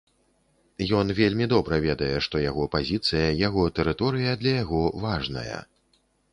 Ён вельмі добра ведае, што яго пазіцыя, яго тэрыторыя для яго важная.